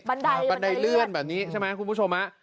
บันไดเลื่อนบันไดเลื่อนแบบนี้ใช่ไหมคุณผู้ชม